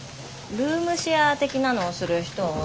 ルームシェア的なのをする人を。